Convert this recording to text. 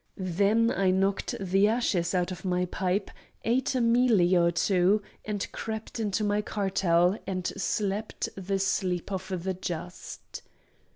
Then I knocked the ashes out of my pipe, ate a mealy or two, and crept into my kartel, and slept the sleep of the just.